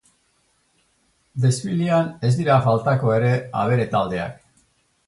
Desfilean ez dira faltako ere abere taldeak.